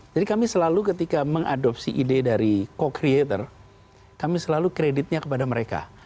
jadi kami selalu ketika mengadopsi ide dari co creator kami selalu kreditnya kepada mereka